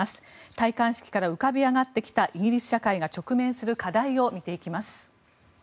戴冠式から浮かび上がってきたイギリス社会が直面する課題を見ていきます。